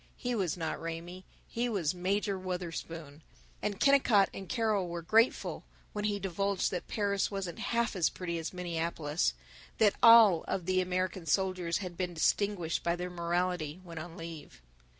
He was not Raymie; he was Major Wutherspoon; and Kennicott and Carol were grateful when he divulged that Paris wasn't half as pretty as Minneapolis, that all of the American soldiers had been distinguished by their morality when on leave.